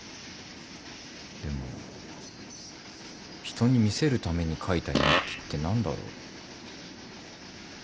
でも人に見せるために書いた日記って何だろう。